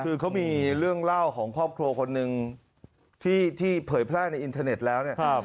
คือเขามีเรื่องเล่าของครอบครัวคนหนึ่งที่เผยแพร่ในอินเทอร์เน็ตแล้วเนี่ย